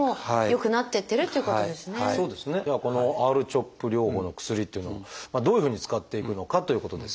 じゃあこのＲ−ＣＨＯＰ療法の薬というのはどういうふうに使っていくのかということですが。